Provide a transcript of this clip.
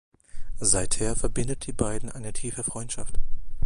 Seither verbindet die beiden eine tiefe Freundschaft.